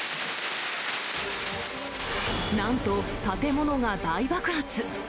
なんと建物が大爆発。